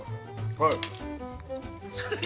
◆はい。